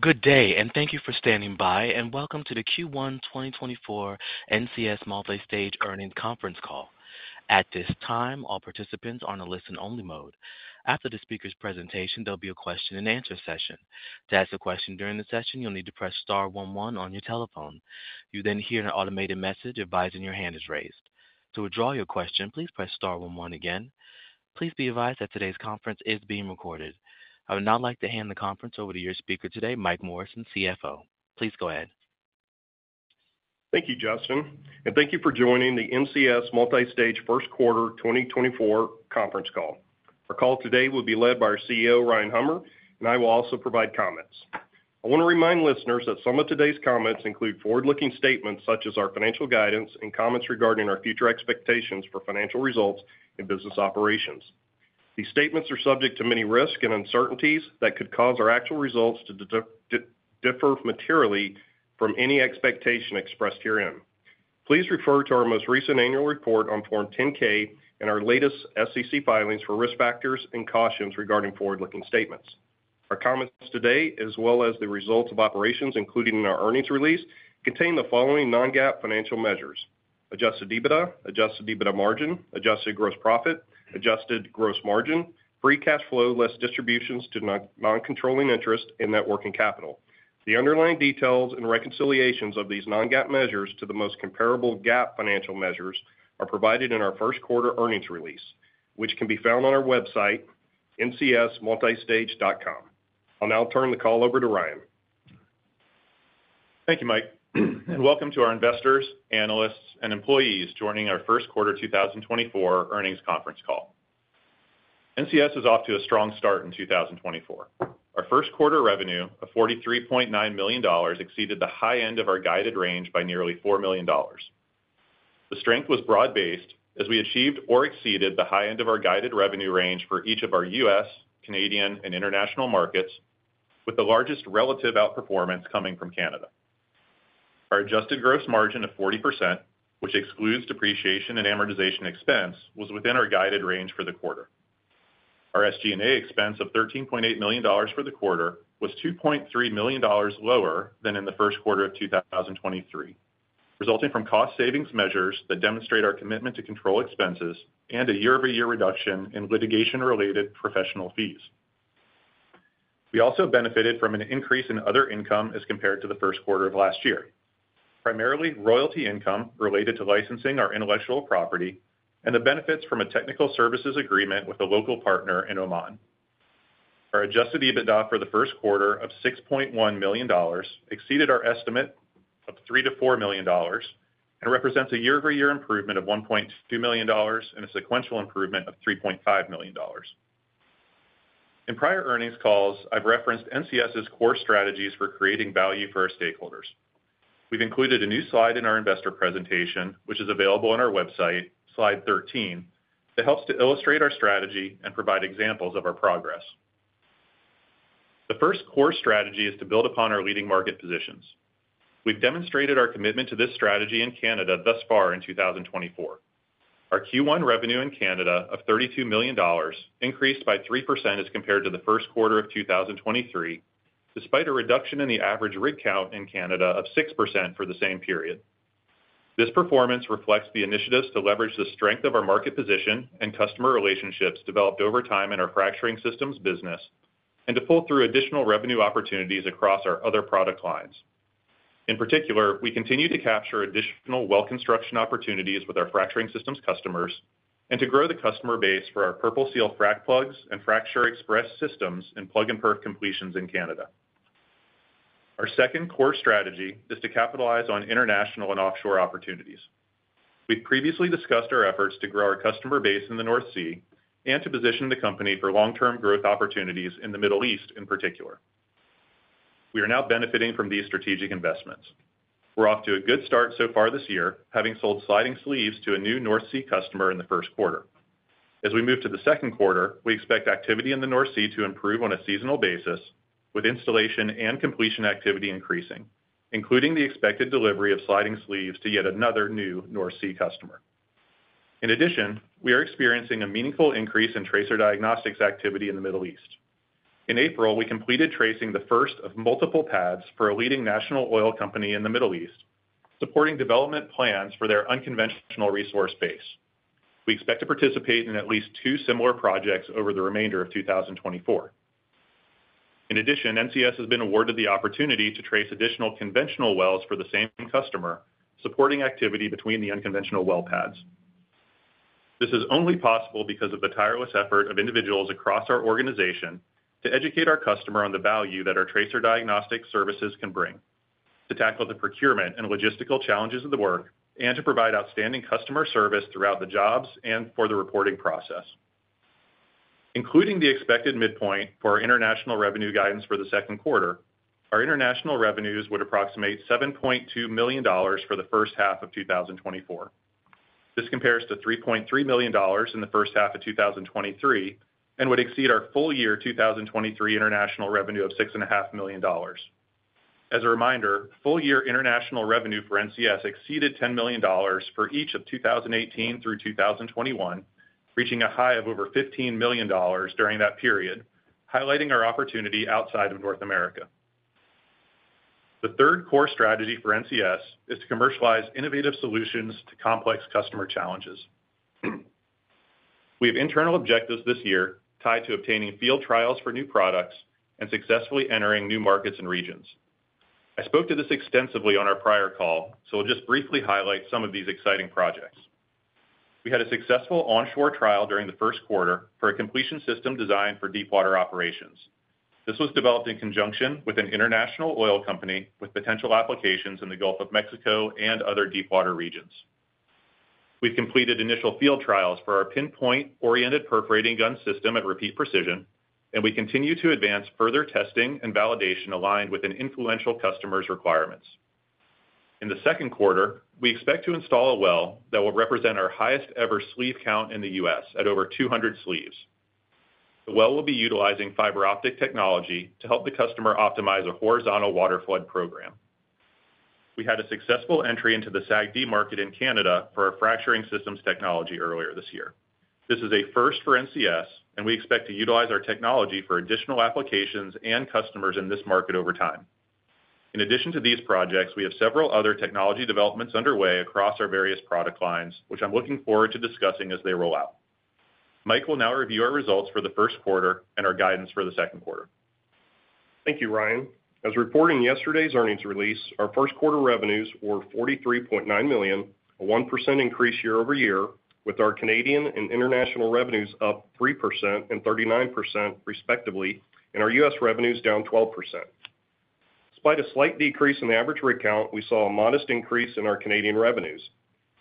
Good day, and thank you for standing by, and welcome to the Q1 2024 NCS Multistage Earnings Conference Call. At this time, all participants are on a listen-only mode. After the speaker's presentation, there'll be a question-and-answer session. To ask a question during the session, you'll need to press star one one on your telephone. You'll then hear an automated message advising your hand is raised. To withdraw your question, please press star one one again. Please be advised that today's conference is being recorded. I would now like to hand the conference over to your speaker today, Mike Morrison, CFO. Please go ahead. Thank you, Justin, and thank you for joining the NCS Multistage First Quarter 2024 conference call. Our call today will be led by our CEO, Ryan Hummer, and I will also provide comments. I want to remind listeners that some of today's comments include forward-looking statements such as our financial guidance and comments regarding our future expectations for financial results and business operations. These statements are subject to many risks and uncertainties that could cause our actual results to differ materially from any expectation expressed herein. Please refer to our most recent annual report on Form 10-K and our latest SEC filings for risk factors and cautions regarding forward-looking statements. Our comments today, as well as the results of operations, including in our earnings release, contain the following Non-GAAP financial measures: Adjusted EBITDA, Adjusted EBITDA margin, Adjusted gross profit, Adjusted gross margin, free cash flow, less distributions to non-controlling interest in net working capital. The underlying details and reconciliations of these Non-GAAP measures to the most comparable GAAP financial measures are provided in our first quarter earnings release, which can be found on our website, ncsmultistage.com. I'll now turn the call over to Ryan. Thank you, Mike, and welcome to our investors, analysts, and employees joining our first quarter 2024 earnings conference call. NCS is off to a strong start in 2024. Our first quarter revenue of $43.9 million exceeded the high end of our guided range by nearly $4 million. The strength was broad-based, as we achieved or exceeded the high end of our guided revenue range for each of our U.S., Canadian, and international markets, with the largest relative outperformance coming from Canada. Our adjusted gross margin of 40%, which excludes depreciation and amortization expense, was within our guided range for the quarter. Our SG&A expense of $13.8 million for the quarter was $2.3 million lower than in the first quarter of 2023, resulting from cost savings measures that demonstrate our commitment to control expenses and a year-over-year reduction in litigation-related professional fees. We also benefited from an increase in other income as compared to the first quarter of last year, primarily royalty income related to licensing our intellectual property and the benefits from a technical services agreement with a local partner in Oman. Our adjusted EBITDA for the first quarter of $6.1 million exceeded our estimate of $3 million-$4 million and represents a year-over-year improvement of $1.2 million and a sequential improvement of $3.5 million. In prior earnings calls, I've referenced NCS's core strategies for creating value for our stakeholders. We've included a new slide in our investor presentation, which is available on our website, slide 13, that helps to illustrate our strategy and provide examples of our progress. The first core strategy is to build upon our leading market positions. We've demonstrated our commitment to this strategy in Canada thus far in 2024. Our Q1 revenue in Canada of $32 million increased by 3% as compared to the first quarter of 2023, despite a reduction in the average rig count in Canada of 6% for the same period. This performance reflects the initiatives to leverage the strength of our market position and customer relationships developed over time in our fracturing systems business and to pull through additional revenue opportunities across our other product lines. In particular, we continue to capture additional well construction opportunities with our fracturing systems customers and to grow the customer base for our PurpleSeal frac plugs and FractureXpress systems in plug and perf completions in Canada. Our second core strategy is to capitalize on international and offshore opportunities. We've previously discussed our efforts to grow our customer base in the North Sea and to position the company for long-term growth opportunities in the Middle East in particular. We are now benefiting from these strategic investments. We're off to a good start so far this year, having sold sliding sleeves to a new North Sea customer in the first quarter. As we move to the second quarter, we expect activity in the North Sea to improve on a seasonal basis, with installation and completion activity increasing, including the expected delivery of sliding sleeves to yet another new North Sea customer. In addition, we are experiencing a meaningful increase in tracer diagnostics activity in the Middle East. In April, we completed tracing the first of multiple pads for a leading national oil company in the Middle East, supporting development plans for their unconventional resource base. We expect to participate in at least two similar projects over the remainder of 2024. In addition, NCS has been awarded the opportunity to trace additional conventional wells for the same customer, supporting activity between the unconventional well pads. This is only possible because of the tireless effort of individuals across our organization to educate our customer on the value that our tracer diagnostic services can bring, to tackle the procurement and logistical challenges of the work, and to provide outstanding customer service throughout the jobs and for the reporting process. Including the expected midpoint for our international revenue guidance for the second quarter, our international revenues would approximate $7.2 million for the first half of 2024. This compares to $3.3 million in the first half of 2023 and would exceed our full year 2023 international revenue of $6.5 million. As a reminder, full year international revenue for NCS exceeded $10 million for each of 2018 through 2021, reaching a high of over $15 million during that period, highlighting our opportunity outside of North America. The third core strategy for NCS is to commercialize innovative solutions to complex customer challenges. We have internal objectives this year tied to obtaining field trials for new products and successfully entering new markets and regions. I spoke to this extensively on our prior call, so I'll just briefly highlight some of these exciting projects. We had a successful onshore trial during the first quarter for a completion system designed for deepwater operations. This was developed in conjunction with an international oil company, with potential applications in the Gulf of Mexico and other deepwater regions. We've completed initial field trials for our pinpoint-oriented perforating gun system at Repeat Precision, and we continue to advance further testing and validation aligned with an influential customer's requirements. In the second quarter, we expect to install a well that will represent our highest-ever sleeve count in the US at over 200 sleeves. The well will be utilizing fiber optic technology to help the customer optimize a horizontal water flood program. We had a successful entry into the SAGD market in Canada for our fracturing systems technology earlier this year. This is a first for NCS, and we expect to utilize our technology for additional applications and customers in this market over time. In addition to these projects, we have several other technology developments underway across our various product lines, which I'm looking forward to discussing as they roll out. Mike will now review our results for the first quarter and our guidance for the second quarter. Thank you, Ryan. As reported in yesterday's earnings release, our first quarter revenues were $43.9 million, a 1% increase year-over-year, with our Canadian and international revenues up 3% and 39%, respectively, and our U.S. revenues down 12%. Despite a slight decrease in the average rig count, we saw a modest increase in our Canadian revenues.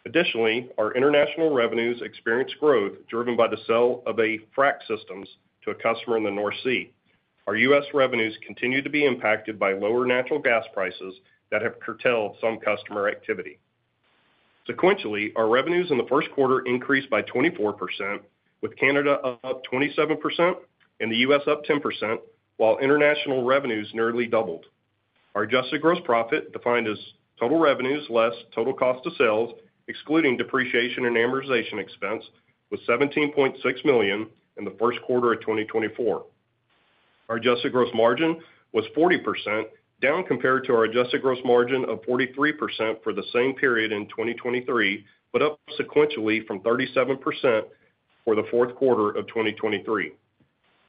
Additionally, our international revenues experienced growth, driven by the sale of a frac systems to a customer in the North Sea. Our U.S. revenues continue to be impacted by lower natural gas prices that have curtailed some customer activity. Sequentially, our revenues in the first quarter increased by 24%, with Canada up 27% and the U.S. up 10%, while international revenues nearly doubled. Our adjusted gross profit, defined as total revenues less total cost of sales, excluding depreciation and amortization expense, was $17.6 million in the first quarter of 2024. Our adjusted gross margin was 40%, down compared to our adjusted gross margin of 43% for the same period in 2023, but up sequentially from 37% for the fourth quarter of 2023.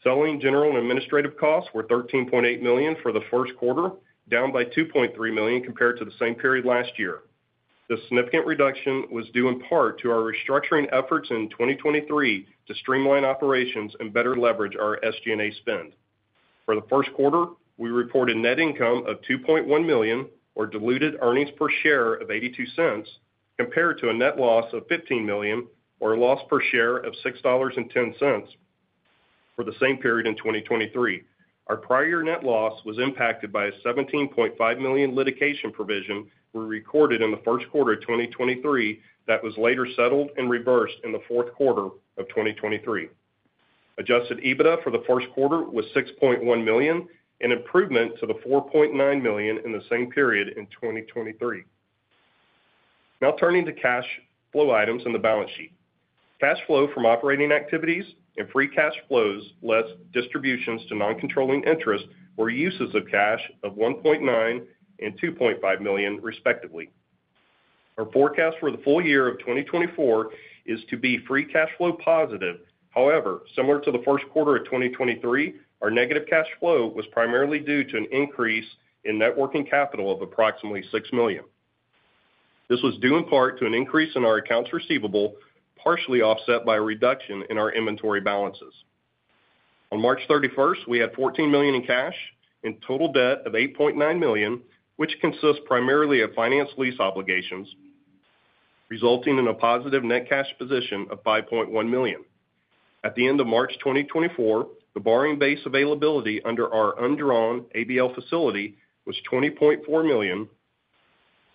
Selling general and administrative costs were $13.8 million for the first quarter, down by $2.3 million compared to the same period last year. This significant reduction was due in part to our restructuring efforts in 2023 to streamline operations and better leverage our SG&A spend. For the first quarter, we reported net income of $2.1 million, or diluted earnings per share of $0.82, compared to a net loss of $15 million, or a loss per share of $6.10 for the same period in 2023. Our prior year net loss was impacted by a $17.5 million litigation provision we recorded in the first quarter of 2023 that was later settled and reversed in the fourth quarter of 2023. Adjusted EBITDA for the first quarter was $6.1 million, an improvement to the $4.9 million in the same period in 2023. Now turning to cash flow items on the balance sheet. Cash flow from operating activities and free cash flows, less distributions to non-controlling interests, were uses of cash of $1.9 million and $2.5 million, respectively. Our forecast for the full year of 2024 is to be free cash flow positive. However, similar to the first quarter of 2023, our negative cash flow was primarily due to an increase in net working capital of approximately $6 million. This was due in part to an increase in our accounts receivable, partially offset by a reduction in our inventory balances. On March 31, we had $14 million in cash and total debt of $8.9 million, which consists primarily of finance lease obligations, resulting in a positive net cash position of $5.1 million. At the end of March 2024, the borrowing base availability under our undrawn ABL facility was $20.4 million,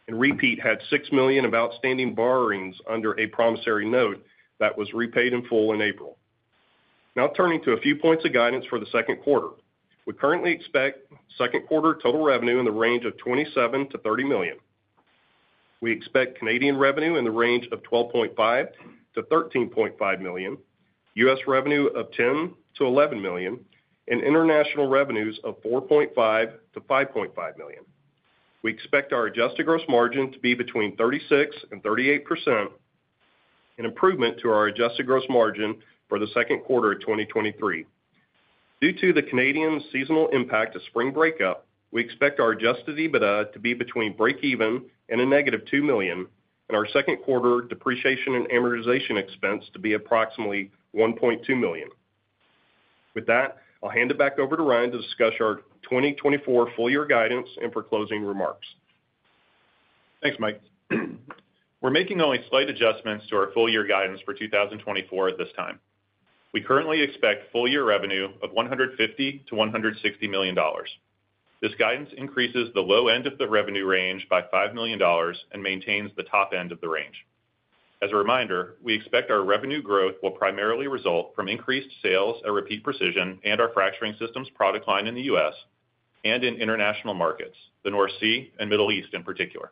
and Repeat had $6 million of outstanding borrowings under a promissory note that was repaid in full in April. Now, turning to a few points of guidance for the second quarter. We currently expect second quarter total revenue in the range of $27 million-$30 million. We expect Canadian revenue in the range of $12.5 million-$13.5 million, US revenue of $10 million-$11 million, and international revenues of $4.5 million-$5.5 million. We expect our Adjusted gross margin to be between 36% and 38%, an improvement to our Adjusted gross margin for the second quarter of 2023. Due to the Canadian seasonal impact of spring breakup, we expect our Adjusted EBITDA to be between breakeven and -$2 million and our second quarter depreciation and amortization expense to be approximately $1.2 million. With that, I'll hand it back over to Ryan to discuss our 2024 full year guidance and for closing remarks. Thanks, Mike. We're making only slight adjustments to our full-year guidance for 2024 at this time. We currently expect full-year revenue of $150 million-$160 million. This guidance increases the low end of the revenue range by $5 million and maintains the top end of the range. As a reminder, we expect our revenue growth will primarily result from increased sales at Repeat Precision and our fracturing systems product line in the US and in international markets, the North Sea and Middle East in particular.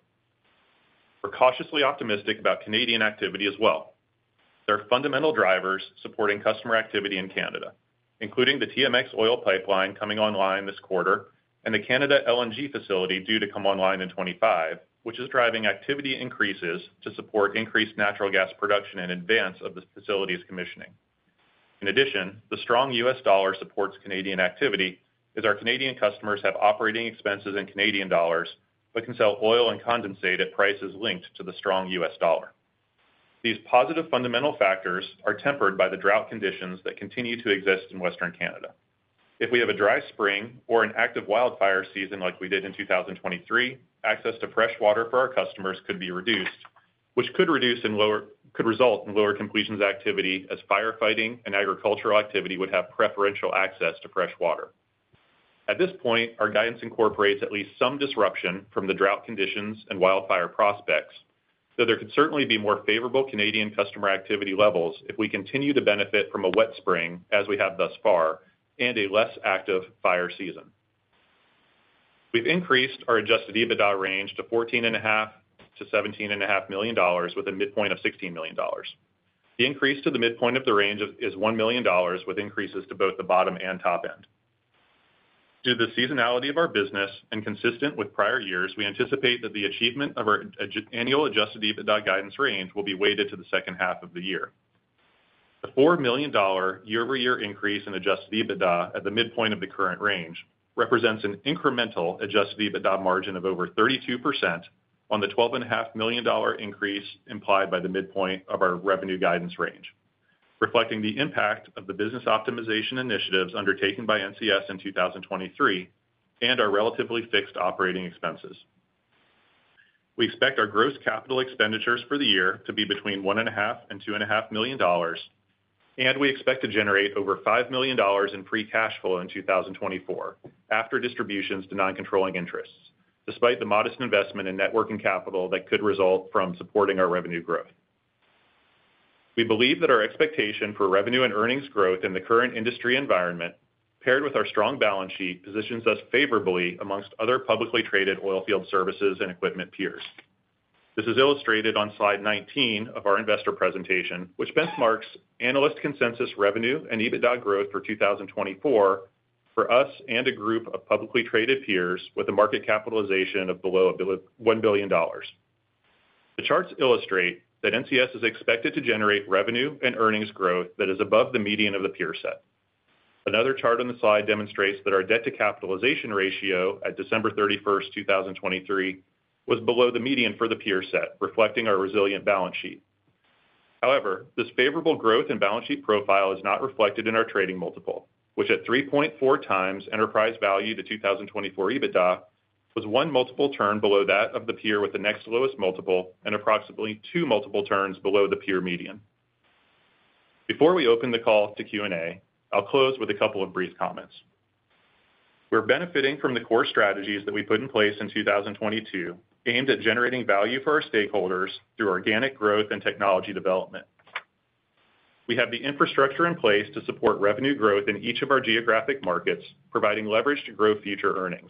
We're cautiously optimistic about Canadian activity as well. There are fundamental drivers supporting customer activity in Canada, including the TMX oil pipeline coming online this quarter and the Canada LNG facility due to come online in 2025, which is driving activity increases to support increased natural gas production in advance of this facility's commissioning. In addition, the strong US dollar supports Canadian activity, as our Canadian customers have operating expenses in Canadian dollars, but can sell oil and condensate at prices linked to the strong US dollar. These positive fundamental factors are tempered by the drought conditions that continue to exist in Western Canada. If we have a dry spring or an active wildfire season like we did in 2023, access to fresh water for our customers could be reduced, could result in lower completions activity as firefighting and agricultural activity would have preferential access to fresh water. At this point, our guidance incorporates at least some disruption from the drought conditions and wildfire prospects, so there could certainly be more favorable Canadian customer activity levels if we continue to benefit from a wet spring, as we have thus far, and a less active fire season. We've increased our adjusted EBITDA range to $14.5 million-$17.5 million, with a midpoint of $16 million. The increase to the midpoint of the range is $1 million, with increases to both the bottom and top end. Due to the seasonality of our business and consistent with prior years, we anticipate that the achievement of our annual adjusted EBITDA guidance range will be weighted to the second half of the year. The $4 million year-over-year increase in adjusted EBITDA at the midpoint of the current range represents an incremental adjusted EBITDA margin of over 32% on the $12.5 million increase implied by the midpoint of our revenue guidance range, reflecting the impact of the business optimization initiatives undertaken by NCS in 2023 and our relatively fixed operating expenses. We expect our gross capital expenditures for the year to be between $1.5 million and $2.5 million, and we expect to generate over $5 million in free cash flow in 2024 after distributions to non-controlling interests, despite the modest investment in net working capital that could result from supporting our revenue growth. We believe that our expectation for revenue and earnings growth in the current industry environment, paired with our strong balance sheet, positions us favorably among other publicly traded oilfield services and equipment peers. This is illustrated on slide 19 of our investor presentation, which benchmarks analyst consensus revenue and EBITDA growth for 2024 for us and a group of publicly traded peers with a market capitalization of below $1 billion. The charts illustrate that NCS is expected to generate revenue and earnings growth that is above the median of the peer set. Another chart on the slide demonstrates that our debt to capitalization ratio at December 31, 2023, was below the median for the peer set, reflecting our resilient balance sheet. However, this favorable growth and balance sheet profile is not reflected in our trading multiple, which at 3.4x enterprise value to 2024 EBITDA, was one multiple turn below that of the peer with the next lowest multiple and approximately two multiple turns below the peer median. Before we open the call to Q&A, I'll close with a couple of brief comments. We're benefiting from the core strategies that we put in place in 2022, aimed at generating value for our stakeholders through organic growth and technology development. We have the infrastructure in place to support revenue growth in each of our geographic markets, providing leverage to grow future earnings.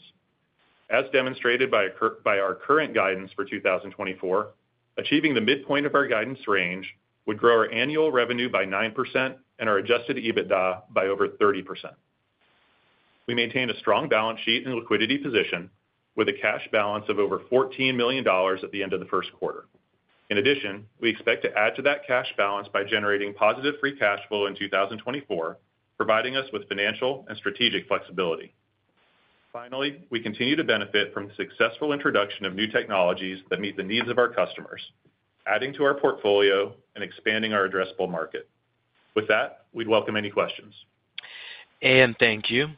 As demonstrated by our current guidance for 2024, achieving the midpoint of our guidance range would grow our annual revenue by 9% and our adjusted EBITDA by over 30%. We maintained a strong balance sheet and liquidity position with a cash balance of over $14 million at the end of the first quarter. In addition, we expect to add to that cash balance by generating positive free cash flow in 2024, providing us with financial and strategic flexibility. Finally, we continue to benefit from the successful introduction of new technologies that meet the needs of our customers, adding to our portfolio and expanding our addressable market. With that, we'd welcome any questions. Thank you.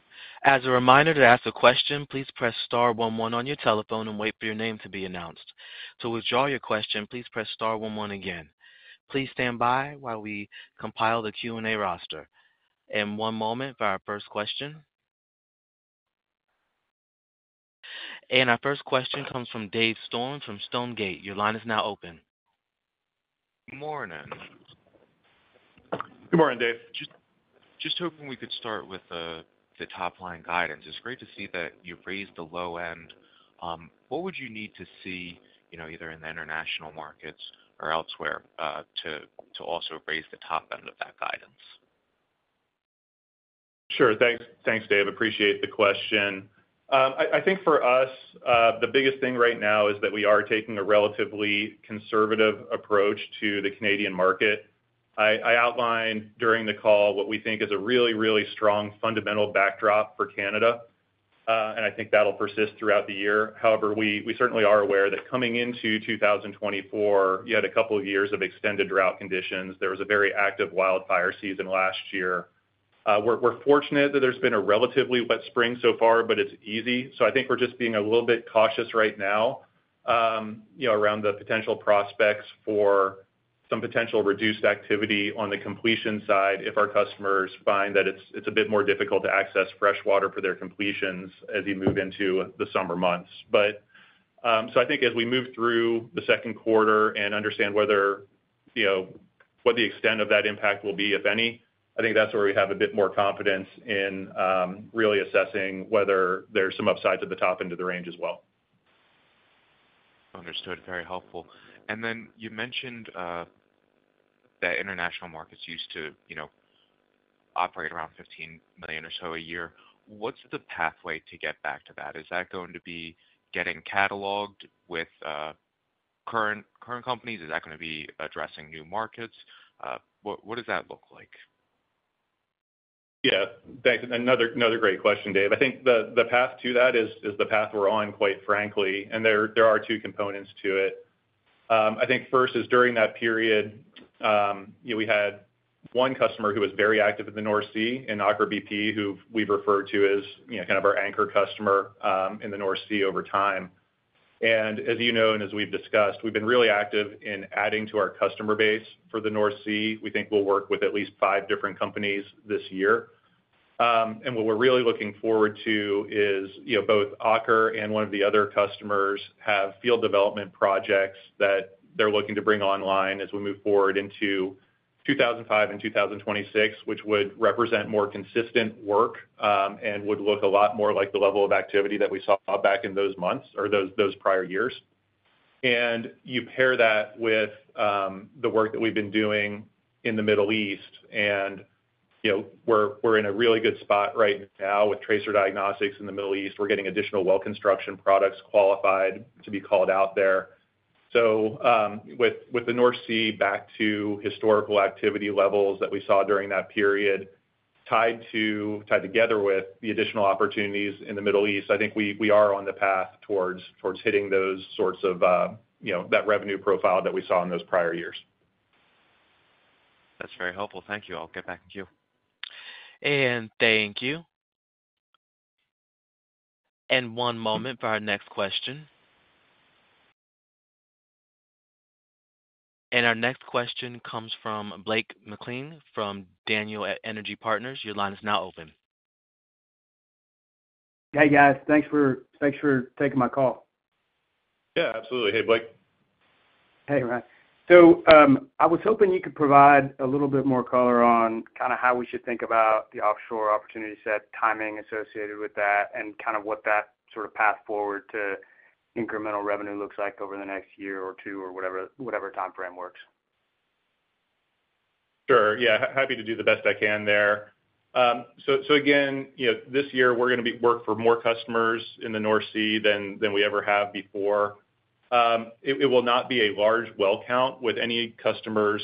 As a reminder to ask a question, please press star one one on your telephone and wait for your name to be announced. To withdraw your question, please press star one one again. Please stand by while we compile the Q&A roster. One moment for our first question. Our first question comes from Dave Stone from Stonegate. Your line is now open. Good morning. Good morning, Dave. Just hoping we could start with the top-line guidance. It's great to see that you've raised the low end. What would you need to see, you know, either in the international markets or elsewhere, to also raise the top end of that guidance? Sure. Thanks. Thanks, Dave. Appreciate the question. I think for us, the biggest thing right now is that we are taking a relatively conservative approach to the Canadian market. I outlined during the call what we think is a really, really strong fundamental backdrop for Canada, and I think that'll persist throughout the year. However, we certainly are aware that coming into 2024, you had a couple of years of extended drought conditions. There was a very active wildfire season last year. We're fortunate that there's been a relatively wet spring so far, but it's easy. So I think we're just being a little bit cautious right now, you know, around the potential prospects for some potential reduced activity on the completion side if our customers find that it's a bit more difficult to access fresh water for their completions as you move into the summer months. But, so I think as we move through the second quarter and understand whether, you know, what the extent of that impact will be, if any, I think that's where we have a bit more confidence in really assessing whether there's some upsides at the top into the range as well. Understood. Very helpful. And then you mentioned that international markets used to, you know, operate around $15 million or so a year. What's the pathway to get back to that? Is that going to be getting cataloged with current companies? Is that gonna be addressing new markets? What does that look like? Yeah, thanks. Another great question, Dave. I think the path to that is the path we're on, quite frankly, and there are two components to it. I think first is, during that period, you know, we had one customer who was very active in the North Sea, and Aker BP, who we've referred to as, you know, kind of our anchor customer, in the North Sea over time. And as you know, and as we've discussed, we've been really active in adding to our customer base for the North Sea. We think we'll work with at least five different companies this year. And what we're really looking forward to is, you know, both Aker and one of the other customers have field development projects that they're looking to bring online as we move forward into 2025 and 2026, which would represent more consistent work, and would look a lot more like the level of activity that we saw back in those months or those, those prior years. And you pair that with, the work that we've been doing in the Middle East, and, you know, we're, we're in a really good spot right now with tracer diagnostics in the Middle East. We're getting additional well construction products qualified to be called out there. So, with the North Sea back to historical activity levels that we saw during that period, tied together with the additional opportunities in the Middle East, I think we are on the path towards hitting those sorts of, you know, that revenue profile that we saw in those prior years. That's very helpful. Thank you. I'll get back to you. Thank you. One moment for our next question. Our next question comes from Blake McLean, from Daniel Energy Partners. Your line is now open. Hey, guys. Thanks for, thanks for taking my call. Yeah, absolutely. Hey, Blake. Hey, Ryan. So, I was hoping you could provide a little bit more color on kinda how we should think about the offshore opportunity set, timing associated with that, and kind of what that sort of path forward to incremental revenue looks like over the next year or two or whatever, whatever timeframe works. Sure. Yeah, happy to do the best I can there. So again, you know, this year we're gonna be work for more customers in the North Sea than we ever have before. It will not be a large well count with any customers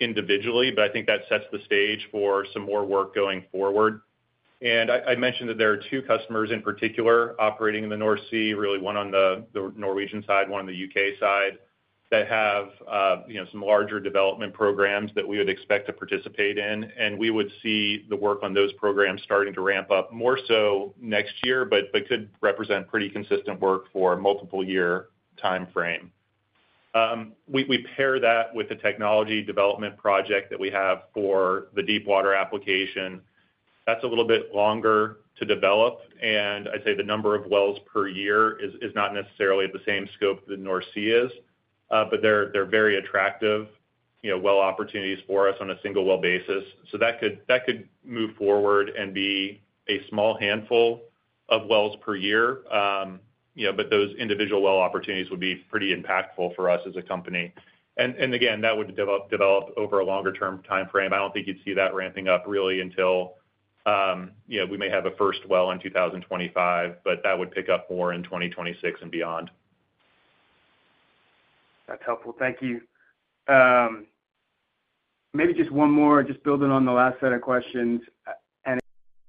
individually, but I think that sets the stage for some more work going forward. And I mentioned that there are two customers in particular operating in the North Sea, really one on the Norwegian side, one on the U.K. side, that have, you know, some larger development programs that we would expect to participate in. And we would see the work on those programs starting to ramp up more so next year, but could represent pretty consistent work for a multiple year timeframe. We pair that with the technology development project that we have for the deepwater application. That's a little bit longer to develop, and I'd say the number of wells per year is not necessarily the same scope the North Sea is, but they're very attractive, you know, well opportunities for us on a single well basis. So that could move forward and be a small handful of wells per year. You know, but those individual well opportunities would be pretty impactful for us as a company. And again, that would develop over a longer-term timeframe. I don't think you'd see that ramping up really until, you know, we may have a first well in 2025, but that would pick up more in 2026 and beyond. That's helpful. Thank you. Maybe just one more, just building on the last set of questions, and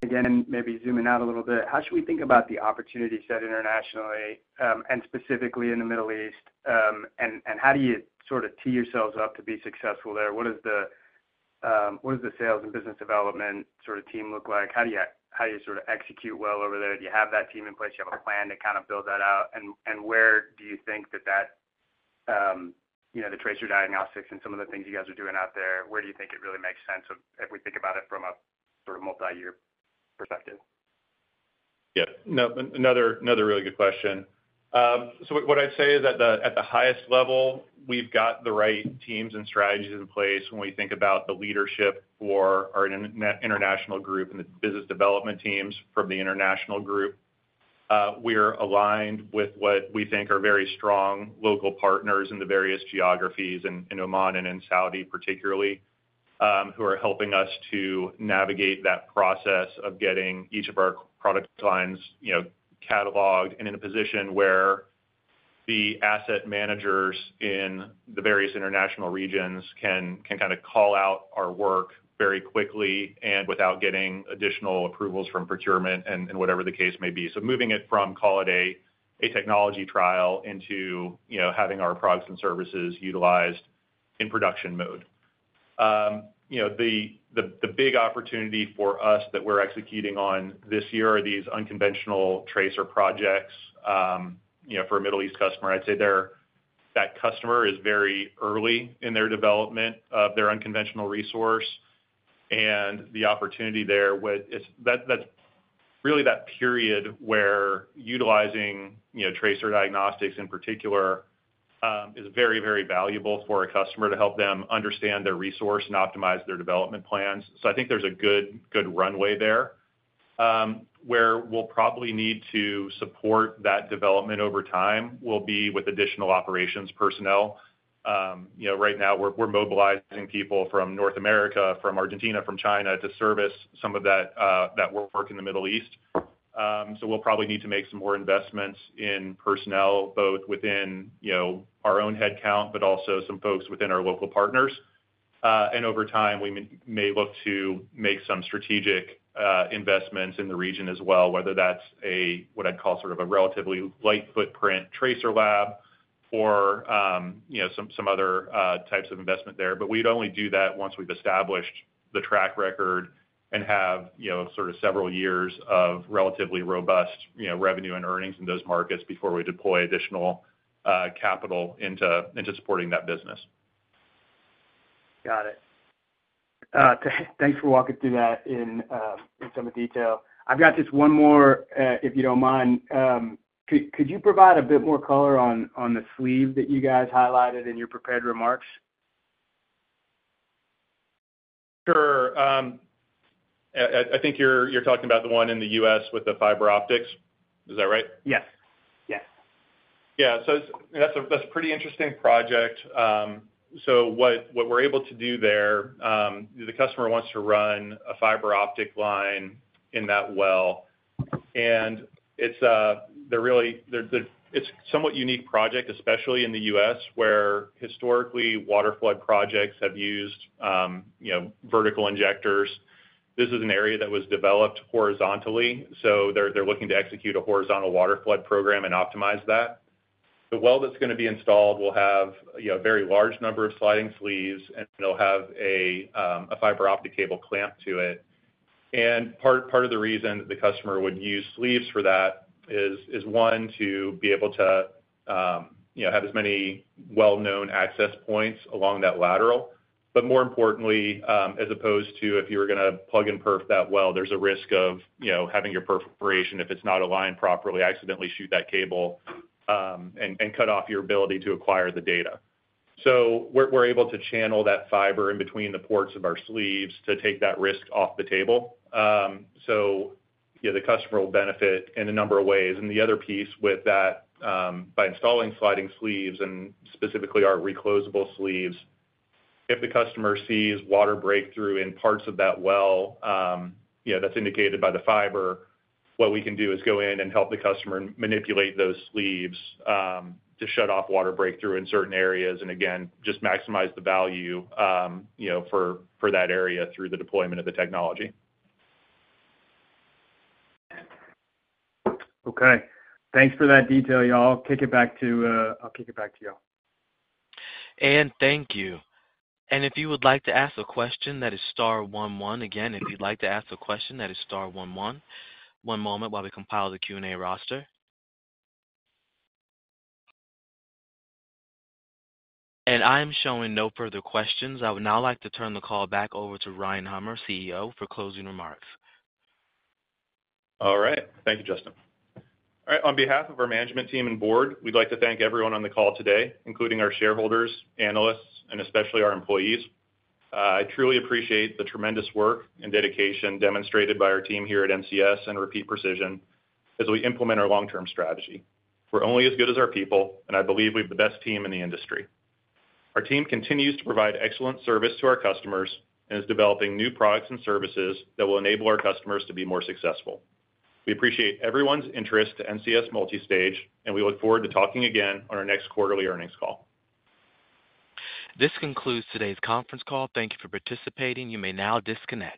again, maybe zooming out a little bit. How should we think about the opportunity set internationally, and specifically in the Middle East? And, how do you sort of tee yourselves up to be successful there? What is the, what does the sales and business development sort of team look like? How do you, how do you sort of execute well over there? Do you have that team in place? Do you have a plan to kind of build that out? And, where do you think that that, you know, the tracer diagnostics and some of the things you guys are doing out there, where do you think it really makes sense if, if we think about it from a sort of multi-year perspective? Yeah. No, another really good question. So what I'd say is at the highest level, we've got the right teams and strategies in place when we think about the leadership for our international group and the business development teams from the international group. We're aligned with what we think are very strong local partners in the various geographies, in Oman and in Saudi, particularly, who are helping us to navigate that process of getting each of our product lines, you know, cataloged and in a position where the asset managers in the various international regions can kinda call out our work very quickly and without getting additional approvals from procurement and whatever the case may be. So moving it from, call it a technology trial into, you know, having our products and services utilized in production mode. You know, the big opportunity for us that we're executing on this year are these unconventional tracer projects, you know, for a Middle East customer. I'd say they're that customer is very early in their development of their unconventional resource and the opportunity there with it. That's really that period where utilizing, you know, tracer diagnostics in particular, is very, very valuable for a customer to help them understand their resource and optimize their development plans. So I think there's a good, good runway there. Where we'll probably need to support that development over time will be with additional operations personnel. You know, right now, we're mobilizing people from North America, from Argentina, from China, to service some of that, that work in the Middle East. So we'll probably need to make some more investments in personnel, both within, you know, our own headcount, but also some folks within our local partners. And over time, we may look to make some strategic investments in the region as well, whether that's what I'd call sort of a relatively light footprint tracer lab or, you know, some other types of investment there. But we'd only do that once we've established the track record and have, you know, sort of several years of relatively robust, you know, revenue and earnings in those markets before we deploy additional capital into supporting that business. Got it. Thanks for walking through that in some detail. I've got just one more, if you don't mind. Could you provide a bit more color on the sleeve that you guys highlighted in your prepared remarks? Sure. I think you're talking about the one in the US with the fiber optics. Is that right? Yes. Yes. Yeah. So that's a pretty interesting project. So what we're able to do there, the customer wants to run a fiber optic line in that well, and it's, they're really—It's a somewhat unique project, especially in the U.S., where historically, waterflood projects have used, you know, vertical injectors. This is an area that was developed horizontally, so they're looking to execute a horizontal waterflood program and optimize that. The well that's gonna be installed will have, you know, a very large number of sliding sleeves, and it'll have a fiber optic cable clamped to it. And part of the reason the customer would use sleeves for that is one, to be able to, you know, have as many well-known access points along that lateral. More importantly, as opposed to if you were gonna plug and perf that well, there's a risk of, you know, having your perforation, if it's not aligned properly, accidentally shoot that cable, and cut off your ability to acquire the data. We're able to channel that fiber in between the ports of our sleeves to take that risk off the table. You know, the customer will benefit in a number of ways. The other piece with that, by installing sliding sleeves, and specifically our recloseable sleeves, if the customer sees water breakthrough in parts of that well, you know, that's indicated by the fiber, what we can do is go in and help the customer manipulate those sleeves, to shut off water breakthrough in certain areas, and again, just maximize the value, you know, for, for that area through the deployment of the technology. Okay. Thanks for that detail, y'all. I'll kick it back to y'all. And thank you. And if you would like to ask a question, that is star one one. Again, if you'd like to ask a question, that is star one one. One moment while we compile the Q&A roster. And I'm showing no further questions. I would now like to turn the call back over to Ryan Hummer, CEO, for closing remarks. All right. Thank you, Justin. All right. On behalf of our management team and board, we'd like to thank everyone on the call today, including our shareholders, analysts, and especially our employees. I truly appreciate the tremendous work and dedication demonstrated by our team here at NCS and Repeat Precision as we implement our long-term strategy. We're only as good as our people, and I believe we have the best team in the industry. Our team continues to provide excellent service to our customers and is developing new products and services that will enable our customers to be more successful. We appreciate everyone's interest in NCS Multistage, and we look forward to talking again on our next quarterly earnings call. This concludes today's conference call. Thank you for participating. You may now disconnect.